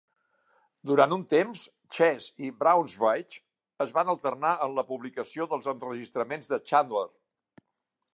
Durant un temps, Chess i Braunschweig es van alternar en la publicació dels enregistraments de Chandler.